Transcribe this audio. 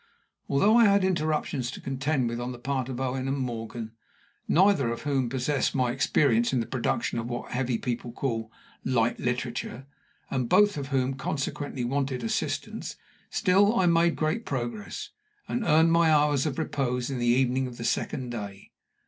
Although I had interruptions to contend with on the part of Owen and Morgan, neither of whom possessed my experience in the production of what heavy people call "light literature," and both of whom consequently wanted assistance, still I made great progress, and earned my hours of repose on the evening of the second day.